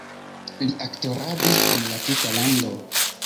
Li aktoradis en la tuta lando.